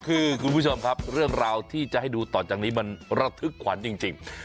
คือคุณผู้ชมครับเรื่องราวที่จะให้ดูต่อจากนี้มันระทึกขวัญจริง